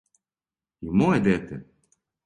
И моје дете?